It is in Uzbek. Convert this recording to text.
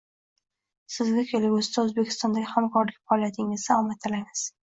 Sizga kelgusida Oʻzbekistondagi hamkorlik faoliyatingizda omad tilaymiz.